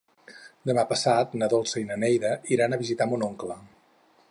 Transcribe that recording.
Demà passat na Dolça i na Neida iran a visitar mon oncle.